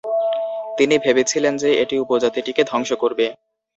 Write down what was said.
তিনি ভেবেছিলেন যে এটি উপজাতিটিকে ধ্বংস করবে।